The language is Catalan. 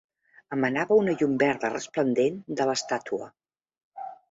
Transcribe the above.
Emanava una llum verda resplendent de l'estàtua.